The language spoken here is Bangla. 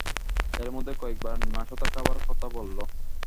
এর মধ্যে কয়েক বার নাশতা খাবার কথা বলল।